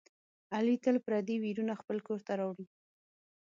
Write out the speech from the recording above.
علي تل پردي ویرونه خپل کورته راوړي.